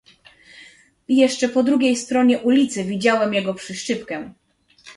"Jeszcze po drugiej stronie ulicy widziałem jego przyszczypkę."